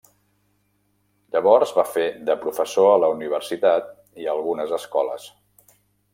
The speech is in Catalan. Llavors va fer de professor a la universitat i a algunes escoles.